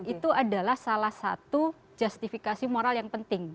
itu adalah salah satu justifikasi moral yang penting